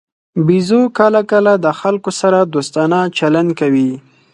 بیزو کله کله د خلکو سره دوستانه چلند کوي.